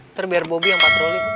ntar biar bobi yang patroli